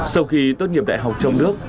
sau khi tốt nghiệp đại học trong nước